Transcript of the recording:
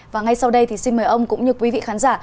và ngay sau đây thì xin mời ông cũng như quý vị khán giả